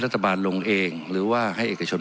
รัฐบาลลงเองหรือว่าให้เอกชน